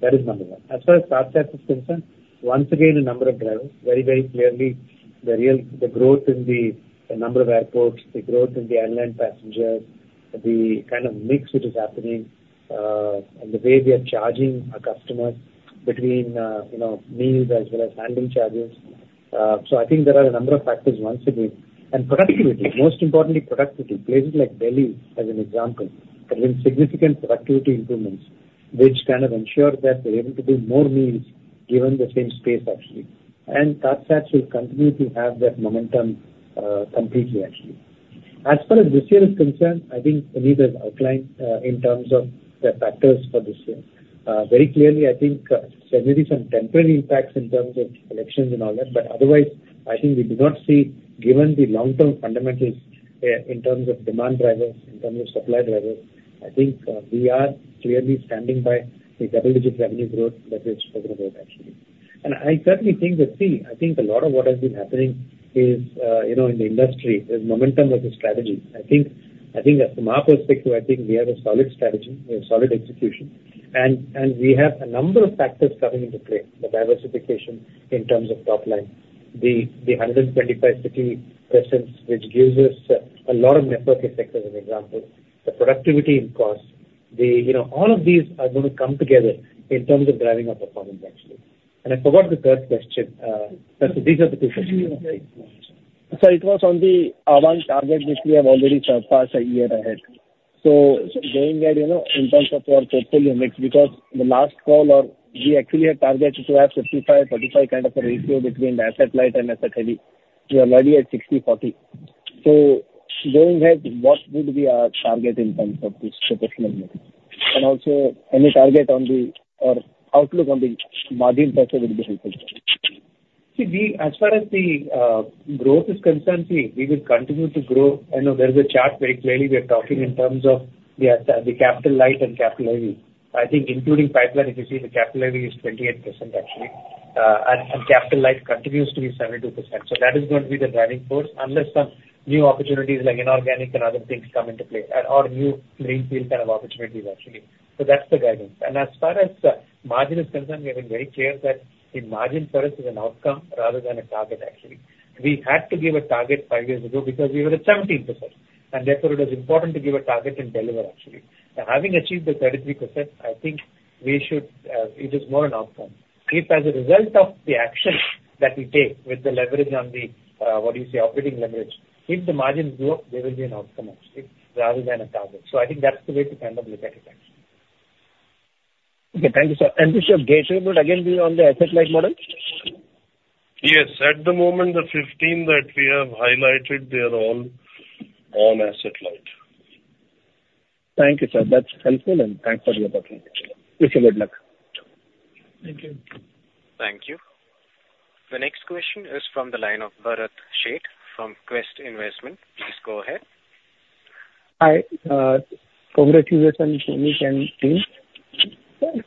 That is number one. As far as Taj is concerned, once again, a number of drivers, very, very clearly, the growth in the number of airports, the growth in the airline passengers, the kind of mix which is happening, and the way we are charging our customers between, you know, meals as well as handling charges. So I think there are a number of factors once again. And productivity, most importantly, productivity. Places like Delhi, as an example, have been significant productivity improvements, which kind of ensure that they're able to do more meals given the same space, actually. And Taj will continue to have that momentum, completely actually. As far as this year is concerned, I think Puneet has outlined, in terms of the factors for this year. Very clearly, I think there may be some temporary impacts in terms of elections and all that, but otherwise, I think we do not see, given the long-term fundamentals, in terms of demand drivers, in terms of supply drivers, I think, we are clearly standing by the double-digit revenue growth that we have spoken about, actually. And I certainly think that, see, I think a lot of what has been happening is, you know, in the industry, is momentum of the strategy. I think, I think from our perspective, I think we have a solid strategy, a solid execution, and, and we have a number of factors coming into play, the diversification in terms of top line, the 125 city presence, which gives us a lot of network effect, as an example. The productivity in cost, the... You know, all of these are going to come together in terms of driving our performance, actually. I forgot the third question, but these are the two questions. Sir, it was on the Ahvaan target, which we have already surpassed a year ahead. So going ahead, you know, in terms of your portfolio mix, because the last call or we actually had targeted to have 55/35 kind of a ratio between asset light and asset heavy. We are already at 60/40. So going ahead, what would be our target in terms of this portfolio mix? And also any target on the or outlook on the margin pressure would be helpful. See, we, as far as the growth is concerned, see, we will continue to grow. I know there is a chart very clearly we are talking in terms of the Capital Light and Capital Heavy. I think including pipeline, if you see the Capital Heavy is 28%, actually, and, and Capital Light continues to be 72%. So that is going to be the driving force, unless some new opportunities like inorganic and other things come into play, or, or new greenfield kind of opportunities, actually. So that's the guidance. And as far as the margin is concerned, we have been very clear that the margin for us is an outcome rather than a target, actually. We had to give a target five years ago because we were at 17%, and therefore, it was important to give a target and deliver, actually. Having achieved the 33%, I think we should, it is more an outcome. If as a result of the action that we take with the leverage on the, what do you say, operating leverage, if the margins go up, there will be an outcome actually, rather than a target. So I think that's the way to kind of look at it, actually. Okay, thank you, sir. This year Gateway will again be on the asset light model? Yes. At the moment, the 15 that we have highlighted, they are all on asset light. Thank you, sir. That's helpful, and thanks for your time. Wish you good luck. Thank you. Thank you. The next question is from the line of Bharat Sheth from Quest Investment. Please go ahead. Hi, congratulations, Puneet and team.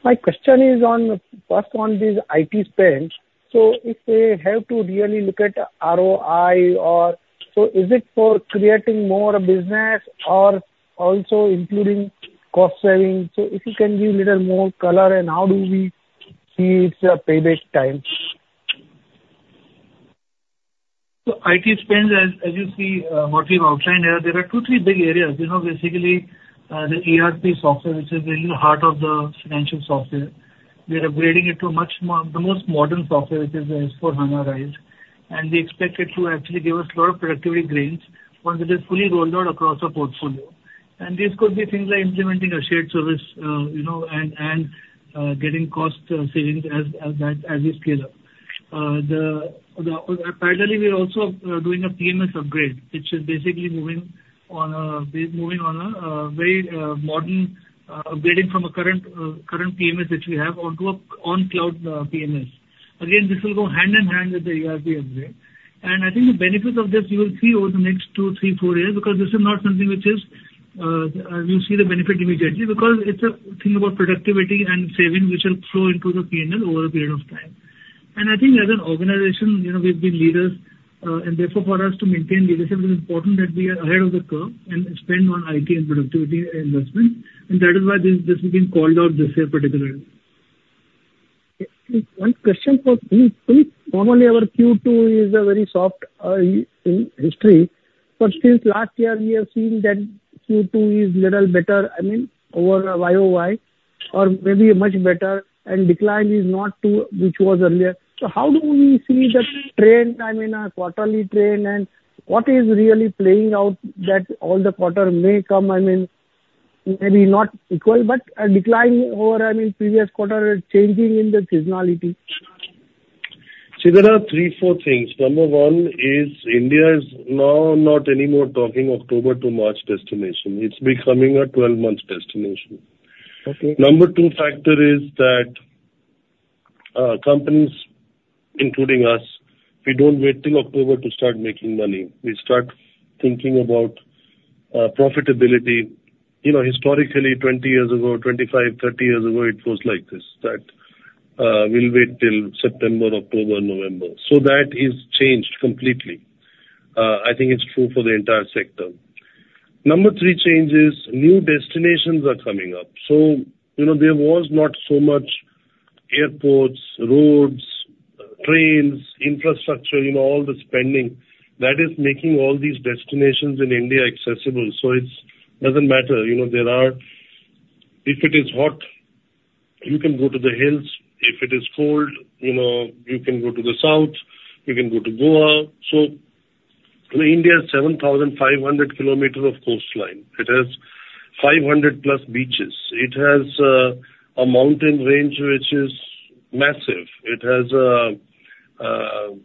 My question is on, first on this IT spend. So if we have to really look at ROI or... So is it for creating more business or also including cost saving? So if you can give a little more color and how do we see its payback time? So, IT spend, as you see, what we've outlined here, there are two, three big areas. You know, basically, the ERP software, which is really the heart of the financial software. We are upgrading it to a much more, the most modern software, which is S/4HANA RISE, and we expect it to actually give us a lot of productivity gains once it is fully rolled out across our portfolio. And these could be things like implementing a shared service, you know, and getting cost savings as we scale up. Parallelly, we are also doing a PMS upgrade, which is basically moving onto a very modern, upgrading from the current PMS which we have onto an on-cloud PMS. Again, this will go hand in hand with the ERP upgrade. And I think the benefits of this you will see over the next two, three, four years, because this is not something which is, you'll see the benefit immediately, because it's a thing about productivity and saving, which will flow into the P&L over a period of time. And I think as an organization, you know, we've been leaders, and therefore, for us to maintain leadership, it is important that we are ahead of the curve and spend on IT and productivity investment, and that is why this, this has been called out this year particularly. One question for Puneet. Puneet, normally our Q2 is a very soft in history, but since last year, we have seen that Q2 is little better, I mean, over a YOY, or maybe much better, and decline is not to which was earlier. So how do we see the trend, I mean, a quarterly trend, and what is really playing out that all the quarter may come, I mean, maybe not equal, but a decline over, I mean, previous quarter changing in the seasonality? See, there are three, four things. Number one is India is now not anymore talking October to March destination. It's becoming a 12-month destination. Number two factor is that, companies, including us, we don't wait till October to start making money. We start thinking about profitability. You know, historically, 20 years ago, 25, 30 years ago, it was like this, that we'll wait till September, October, November. So that is changed completely. I think it's true for the entire sector. Number three change is new destinations are coming up. So, you know, there was not so much airports, roads, trains, infrastructure, you know, all the spending that is making all these destinations in India accessible. So it doesn't matter. You know, there are. If it is hot, you can go to the hills. If it is cold, you know, you can go to the south, you can go to Goa. So, you know, India is 7,500 kilometers of coastline. It has 500+ beaches. It has a mountain range which is massive. It has a, you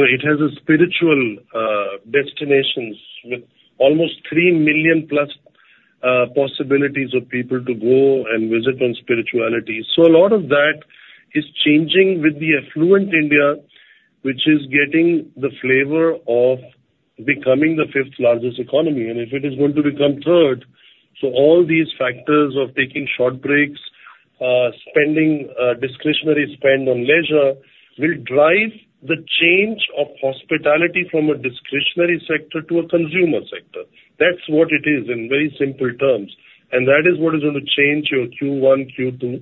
know, it has a spiritual destinations with almost 3 million+ possibilities of people to go and visit on spirituality. So a lot of that is changing with the affluent India, which is getting the flavor of becoming the fifth largest economy, and if it is going to become third, so all these factors of taking short breaks, spending discretionary spend on leisure, will drive the change of hospitality from a discretionary sector to a consumer sector. That's what it is in very simple terms, and that is what is going to change your Q1, Q2.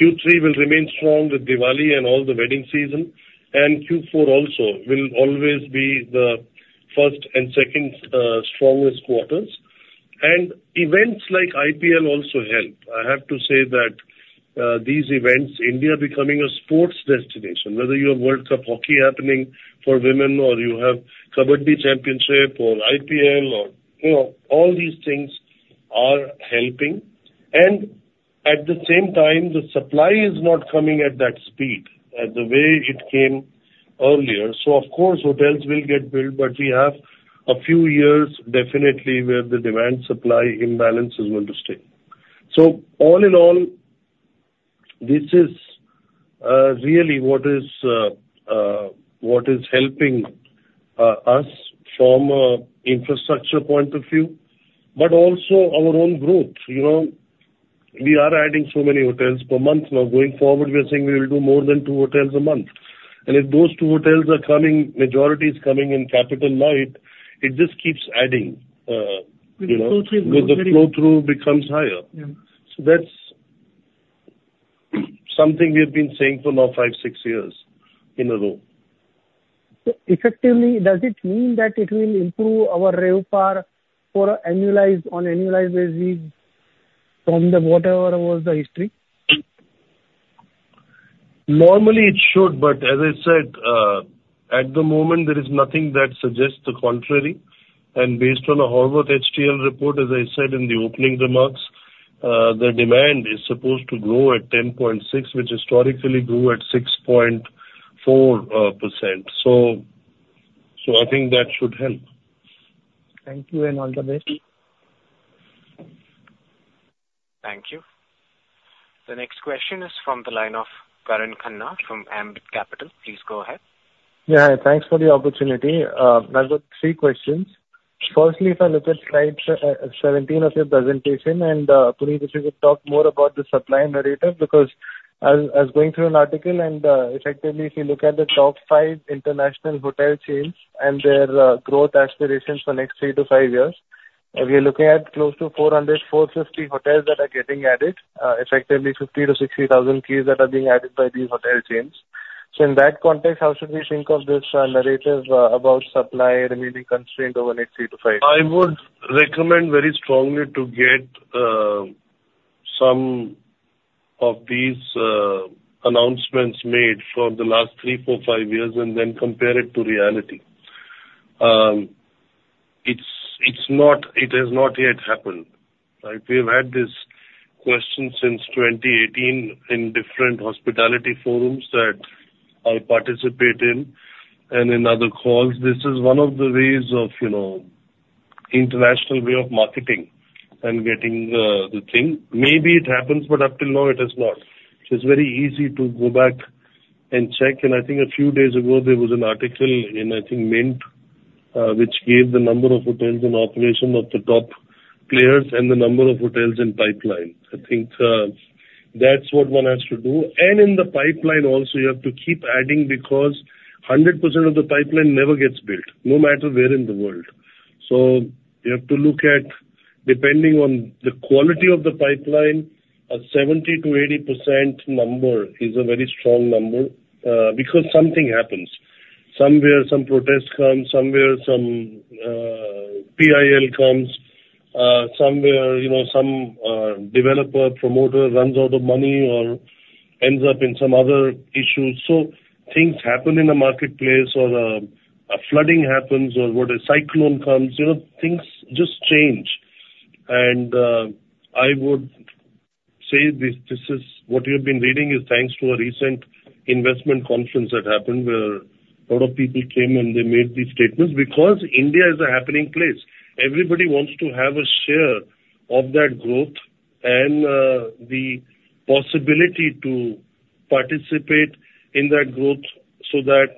Q3 will remain strong with Diwali and all the wedding season, and Q4 also will always be the first and second strongest quarters. And events like IPL also help. I have to say that these events, India becoming a sports destination, whether you have World Cup Hockey happening for women or you have Kabaddi Championship or IPL or, you know, all these things are helping. And at the same time, the supply is not coming at that speed, at the way it came earlier. So of course, hotels will get built, but we have a few years definitely where the demand-supply imbalance is going to stay. So all in all, this is really what is helping us from a infrastructure point of view, but also our own growth. You know, we are adding so many hotels per month. Now, going forward, we are saying we will do more than two hotels a month. And if those two hotels are coming, majority is coming in Capital Light, it just keeps adding, you know- The flow through- The flow through becomes higher. Yeah. That's something we have been saying for now five, six years in a row. So effectively, does it mean that it will improve our RevPAR for annualized, on annualized basis from the whatever was the history? Normally, it should, but as I said, at the moment, there is nothing that suggests the contrary. Based on a Horwath HTL report, as I said in the opening remarks, the demand is supposed to grow at 10.6%, which historically grew at 6.4%. So I think that should help. Thank you, and all the best. Thank you. The next question is from the line of Karan Khanna from Ambit Capital. Please go ahead. Yeah, thanks for the opportunity. I've got three questions. Firstly, if I look at slide 17 of your presentation, and Puneet, if you could talk more about the supply narrative, because as going through an article and effectively, if you look at the top five international hotel chains and their growth aspirations for next 3-5 years, we are looking at close to 400-450 hotels that are getting added, effectively 50-60 thousand keys that are being added by these hotel chains. So in that context, how should we think of this narrative about supply remaining constrained over the next 3-5 years? I would recommend very strongly to get some of these announcements made for the last three, four, five years and then compare it to reality. It's, it's not. It has not yet happened. Like, we have had this question since 2018 in different hospitality forums that I participate in and in other calls. This is one of the ways of, you know, international way of marketing and getting the thing. Maybe it happens, but up till now it has not. It's very easy to go back and check. I think a few days ago there was an article in, I think, Mint, which gave the number of hotels in operation of the top players and the number of hotels in pipeline. I think that's what one has to do. And in the pipeline also, you have to keep adding, because 100% of the pipeline never gets built, no matter where in the world. So you have to look at, depending on the quality of the pipeline, a 70%-80% number is a very strong number, because something happens. Somewhere, some protests come, somewhere some, PIL comes, somewhere, you know, some, developer, promoter runs out of money or ends up in some other issues. So things happen in the marketplace or, a flooding happens or where a cyclone comes, you know, things just change. And, I would say this, this is what you've been reading is thanks to a recent investment conference that happened where-... A lot of people came, and they made these statements because India is a happening place. Everybody wants to have a share of that growth and the possibility to participate in that growth so that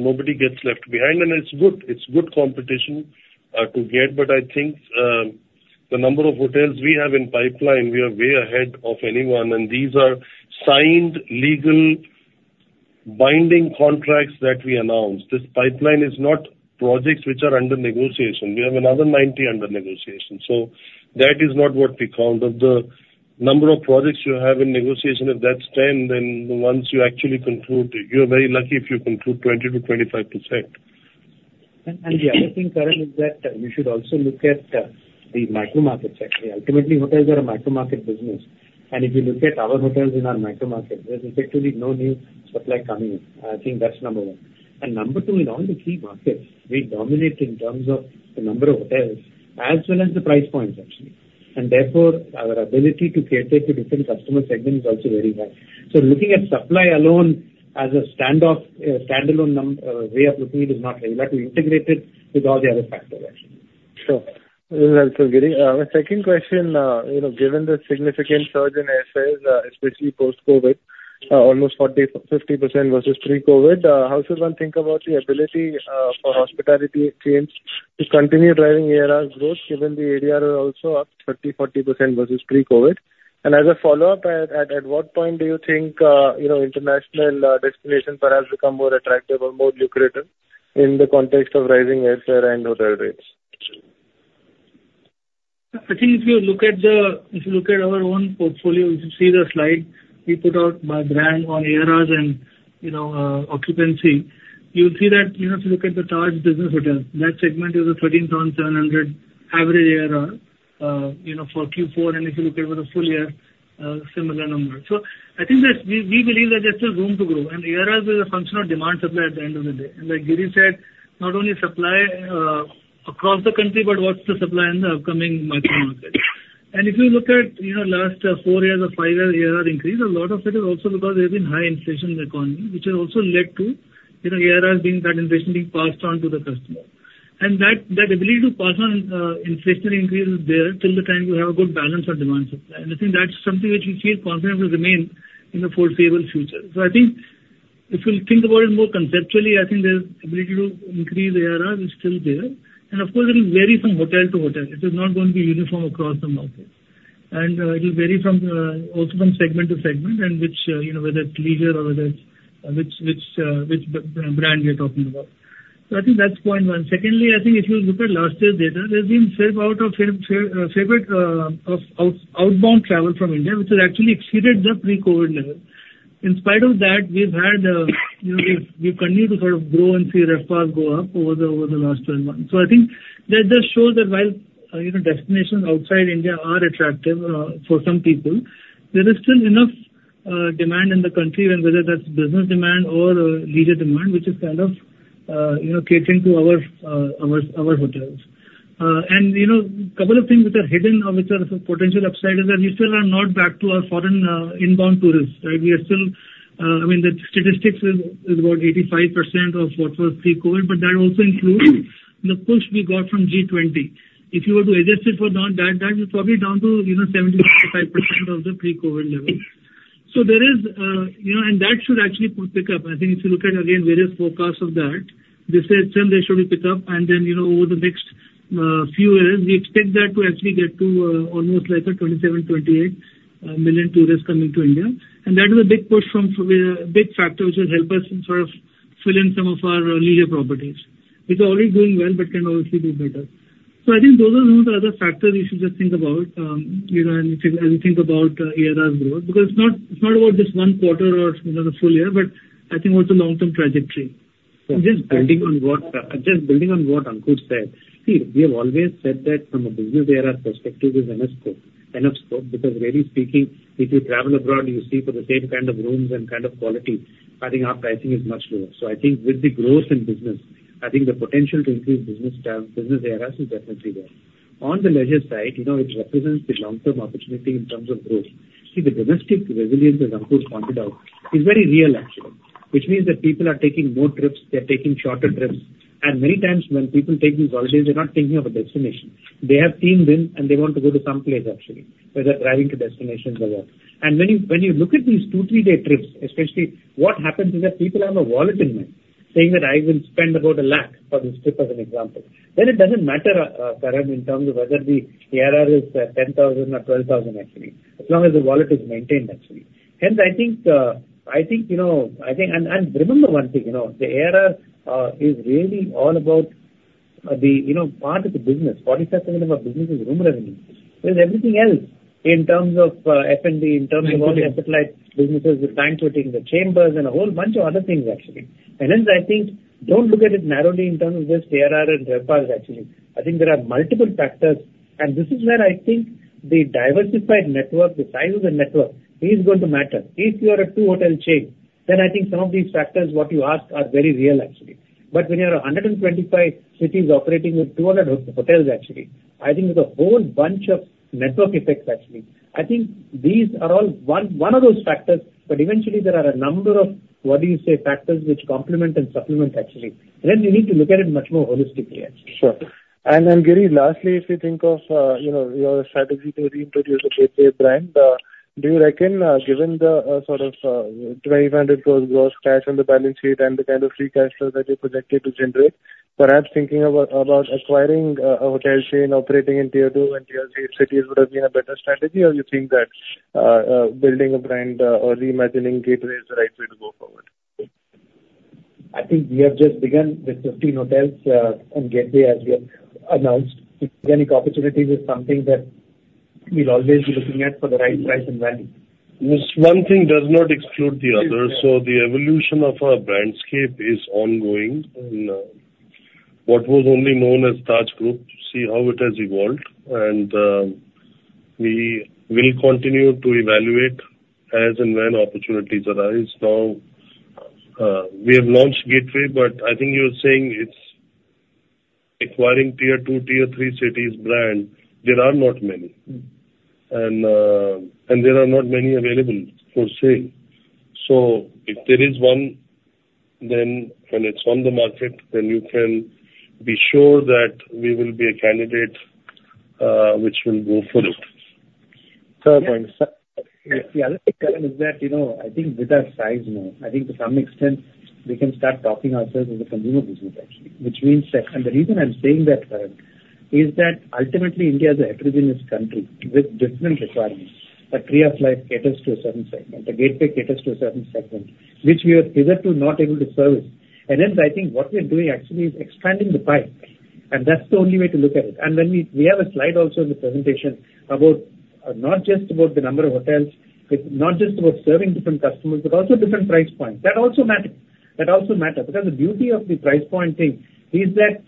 nobody gets left behind. And it's good, it's good competition to get, but I think the number of hotels we have in pipeline, we are way ahead of anyone, and these are signed, legal, binding contracts that we announced. This pipeline is not projects which are under negotiation. We have another 90 under negotiation. So that is not what we count. If the number of projects you have in negotiation, if that's 10, then the ones you actually conclude, you're very lucky if you conclude 20-25%. The other thing, Karan, is that you should also look at the micro markets actually. Ultimately, hotels are a micro market business, and if you look at our hotels in our micro market, there's effectively no new supply coming in. I think that's number one. Number two, in all the key markets, we dominate in terms of the number of hotels as well as the price points, actually, and therefore, our ability to cater to different customer segments is also very high. So looking at supply alone as a standalone way of looking at it is not right. You have to integrate it with all the other factors, actually. Sure. This is also Giri. My second question, you know, given the significant surge in airfares, especially post-COVID, almost 40%-50% versus pre-COVID, how does one think about the ability for hospitality chains to continue driving ARR growth, given the ADR are also up 30%-40% versus pre-COVID? And as a follow-up, at what point do you think, you know, international destinations perhaps become more attractive or more lucrative in the context of rising airfare and hotel rates? I think if you look at our own portfolio, if you see the slide we put out by brand on ARRs and, you know, occupancy, you'll see that you have to look at the Taj business hotel. That segment is a 13,700 average ARR, you know, for Q4, and if you look at it for the full year, similar numbers. So I think that we believe that there's still room to grow, and ARRs is a function of demand supply at the end of the day. Like Giri said, not only supply across the country, but what's the supply in the upcoming micro market? And if you look at, you know, last four years or five years, ARR increase, a lot of it is also because there's been high inflation in the economy, which has also led to, you know, ARRs being that inflation being passed on to the customer. And that, that ability to pass on, inflationary increase is there till the time you have a good balance of demand supply. And I think that's something which we feel confident will remain in the foreseeable future. So I think if you think about it more conceptually, I think the ability to increase ARR is still there. And of course, it will vary from hotel to hotel. It is not going to be uniform across the market. It will vary from, also from segment to segment, and which, you know, whether it's leisure or whether it's, which brand we are talking about. So I think that's point one. Secondly, I think if you look at last year's data, there's been a surge of outbound travel from India, which has actually exceeded the pre-COVID level. In spite of that, we've had, you know, we've continued to sort of grow and see RevPAR go up over the last 12 months. So I think that just shows that while, you know, destinations outside India are attractive, for some people, there is still enough, demand in the country, and whether that's business demand or leisure demand, which is kind of, you know, catering to our, our hotels. And, you know, a couple of things which are hidden or which are potential upside is that we still are not back to our foreign, inbound tourists, right? We are still, I mean, the statistics is about 85% of what was pre-COVID, but that also includes the push we got from G20. If you were to adjust it for non, that is probably down to, you know, 75% of the pre-COVID levels. So there is, you know, and that should actually pick up. I think if you look at, again, various forecasts of that, they say still there should be pick up, and then, you know, over the next, few years, we expect that to actually get to, almost like a 27-28 million tourists coming to India. And that is a big push from... a big factor, which has helped us in sort of fill in some of our leisure properties. It's already doing well, but can obviously do better. So I think those are some of the other factors we should just think about, you know, as we, as we think about ARR growth. Because it's not, it's not about just one quarter or, you know, the full year, but I think also long-term trajectory. Just building on what, just building on what Ankur said. See, we have always said that from a business ARR perspective, there's enough scope, enough scope, because really speaking, if you travel abroad, you see for the same kind of rooms and kind of quality, I think our pricing is much lower. So I think with the growth in business, I think the potential to increase business term, business ARRs is definitely there. On the leisure side, you know, it represents the long-term opportunity in terms of growth. See, the domestic resilience, as Ankur pointed out, is very real, actually, which means that people are taking more trips, they're taking shorter trips, and many times when people take these holidays, they're not thinking of a destination. They have team build, and they want to go to some place, actually, whether driving to destinations or what. When you look at these 2- or 3-day trips, especially what happens is that people have a wallet in mind, saying that I will spend about 100,000 for this trip, as an example. Then it doesn't matter, Karan, in terms of whether the ARR is 10,000 or 12,000, actually, as long as the wallet is maintained, actually. Hence, I think, you know, I think... And remember one thing, you know, the ARR is really all about the part of the business. 47% of our business is room revenue. There's everything else in terms of F&B, in terms of all the satellite businesses, The Chambers and a whole bunch of other things, actually. And hence, I think, don't look at it narrowly in terms of just ARR and RevPAR, actually. I think there are multiple factors, and this is where I think the diversified network, the size of the network, is going to matter. If you are a two-hotel chain, then I think some of these factors, what you asked, are very real, actually. But when you have 125 cities operating with 200 hotels, actually, I think there's a whole bunch of network effects, actually. I think these are all one, one of those factors, but eventually there are a number of, what do you say, factors which complement and supplement, actually. Then you need to look at it much more holistically, actually. Sure. Then, Giri, lastly, if you think of, you know, your strategy to reintroduce the Gateway brand, do you reckon, given the, sort of, 20 thousand gross cash on the balance sheet and the kind of free cash flow that you're projected to generate, perhaps thinking about acquiring a hotel chain operating in tier two and tier three cities would have been a better strategy? Or you think that, building a brand or reimagining Gateway is the right way to go forward? I think we have just begun with 15 hotels, and Gateway, as we have announced. Organic opportunities is something that we'll always be looking at for the right price and value. This one thing does not exclude the other. Yes. So the evolution of our brandscape is ongoing, and, what was only known as Taj Group, see how it has evolved, and, we will continue to evaluate as and when opportunities arise. Now, we have launched Gateway, but I think you're saying it's acquiring tier two, tier three cities brand. There are not many. Mm. There are not many available for sale. So if there is one, then when it's on the market, then you can be sure that we will be a candidate which will go for it. Sure. Fair point. The other thing, Karan, is that, you know, I think with our size now, I think to some extent, we can start talking ourselves as a consumer business, actually. Which means that. And the reason I'm saying that, is that ultimately India is a heterogeneous country with different requirements. An Air India flight caters to a certain segment, a Gateway caters to a certain segment, which we are hitherto not able to service. And then I think what we're doing actually is expanding the pie, and that's the only way to look at it. And then we, we have a slide also in the presentation about, not just about the number of hotels, it's not just about serving different customers, but also different price points. That also matters. That also matters, because the beauty of the price point thing is that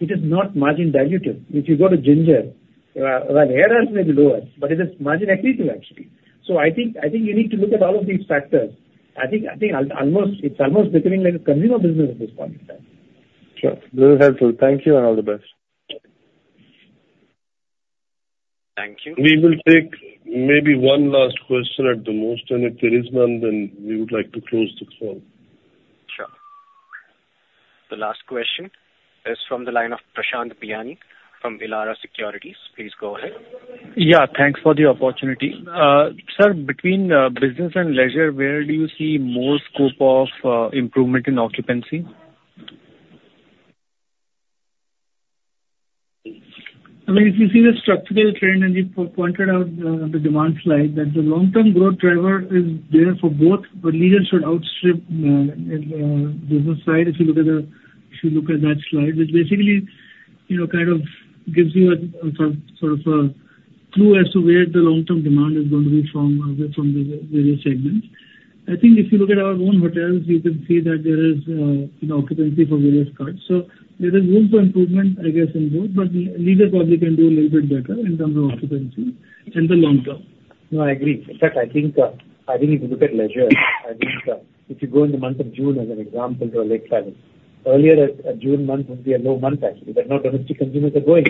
it is not margin dilutive. If you go to Ginger, well, ARRs may be lower, but it is margin accretive, actually. So I think, I think you need to look at all of these factors. I think, I think almost, it's almost becoming like a consumer business at this point in time. Sure. Very helpful. Thank you, and all the best. Thank you. We will take maybe one last question at the most, and if there is none, then we would like to close this call. Sure. The last question is from the line of Prashant Biyani from Elara Securities. Please go ahead. Yeah, thanks for the opportunity. Sir, between business and leisure, where do you see more scope of improvement in occupancy? I mean, if you see the structural trend, and we pointed out, the demand slide, that the long-term growth driver is there for both, but leisure should outstrip, business side, if you look at the—if you look at that slide, which basically, you know, kind of gives you a sort of a clue as to where the long-term demand is going to be from, from the various segments. I think if you look at our own hotels, you can see that there is, an occupancy for various cards. So there is room for improvement, I guess, in both, but leisure probably can do a little bit better in terms of occupancy in the long term. No, I agree. In fact, I think, I think if you look at leisure, I think if you go in the month of June, as an example, to a Lake Palace, earlier, a June month would be a low month, actually, but now domestic consumers are going.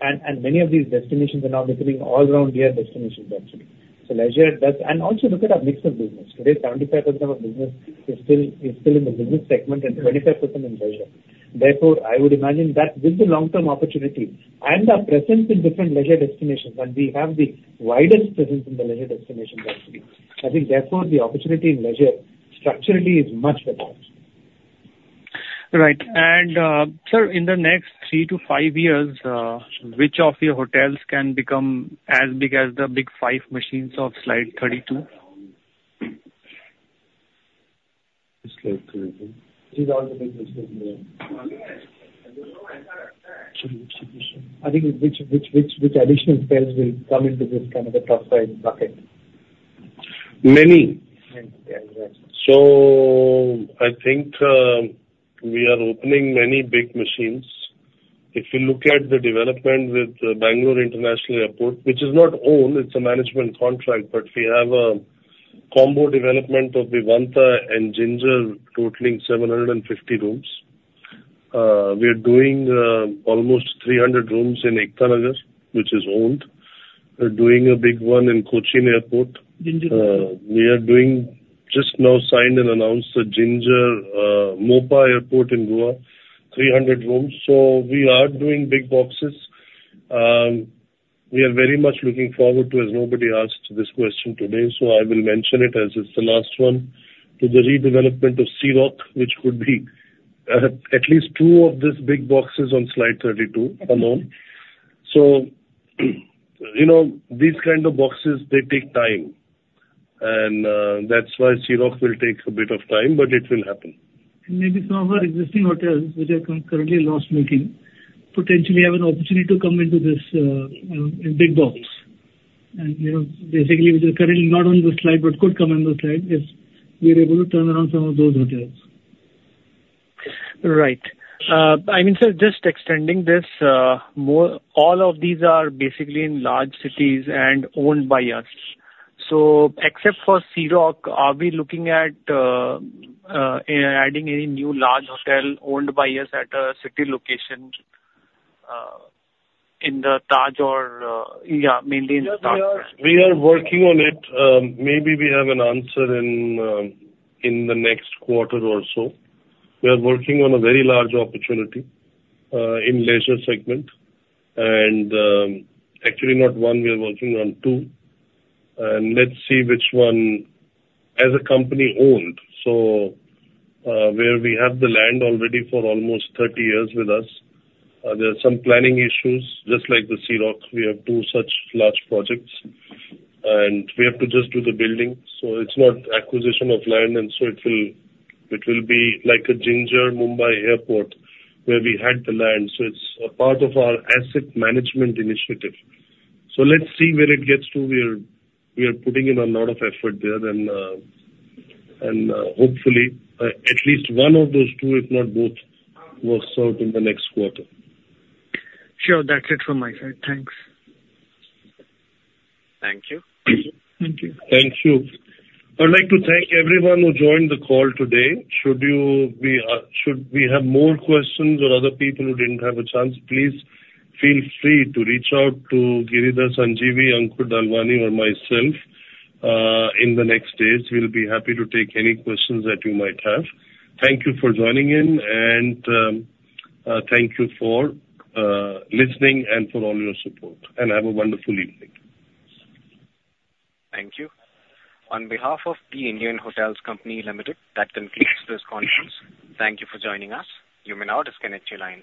And many of these destinations are now becoming all round year destinations, actually. So leisure does... And also look at our mix of business. Today, 75% of our business is still in the business segment and 25% in leisure. Therefore, I would imagine that with the long-term opportunity and our presence in different leisure destinations, and we have the widest presence in the leisure destinations, actually, I think therefore, the opportunity in leisure structurally is much better. Right. And, sir, in the next 3-5 years, which of your hotels can become as big as the big five machines of slide 32? Slide 32. These are the big machines there. I think which additional hotels will come into this kind of a top 5 bucket? Many. Many. Yeah, exactly. So I think, we are opening many big machines. If you look at the development with Bangalore International Airport, which is not owned, it's a management contract, but we have a combo development of Vivanta and Ginger totaling 750 rooms. We are doing almost 300 rooms in Ekta Nagar, which is owned. We're doing a big one in Cochin Airport. Ginger. We are doing, just now signed and announced, the Ginger Mopa Airport in Goa, 300 rooms. So we are doing big boxes. We are very much looking forward to, as nobody asked this question today, so I will mention it as it's the last one, to the redevelopment of Sea Rock, which would be, at least two of these big boxes on slide 32 alone. So you know, these kind of boxes, they take time, and, that's why Sea Rock will take a bit of time, but it will happen. Maybe some of our existing hotels which are currently loss-making potentially have an opportunity to come into this, you know, big box. And, you know, basically, which are currently not on the slide, but could come on the slide, if we're able to turn around some of those hotels. Right. I mean, sir, just extending this, more—all of these are basically in large cities and owned by us? So except for Sea Rock, are we looking at adding any new large hotel owned by us at a city location in the Taj or, yeah, mainly in Taj? Yes, we are working on it. Maybe we have an answer in the next quarter or so. We are working on a very large opportunity in leisure segment, and actually not one, we are working on two. And let's see which one as a company owned, so where we have the land already for almost 30 years with us. There are some planning issues, just like the Sea Rock. We have two such large projects, and we have to just do the building, so it's not acquisition of land, and so it will be like a Ginger Mumbai Airport, where we had the land. So it's a part of our asset management initiative. So let's see where it gets to. We are putting in a lot of effort there, and hopefully at least one of those two, if not both, works out in the next quarter. Sure. That's it from my side. Thanks. Thank you. Thank you. Thank you. I'd like to thank everyone who joined the call today. Should you be, should we have more questions or other people who didn't have a chance, please feel free to reach out to Giridhar Sanjeevi, Ankur Dalwani, or myself, in the next days. We'll be happy to take any questions that you might have. Thank you for joining in, and, thank you for, listening and for all your support. Have a wonderful evening. Thank you. On behalf of The Indian Hotels Company Limited, that concludes this conference. Thank you for joining us. You may now disconnect your lines.